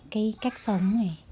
cái cách sống này